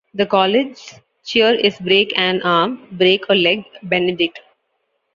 The college's cheer is Break an arm, break a leg, Benedict!